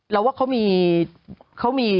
เราว่าเขามีขั้นตอน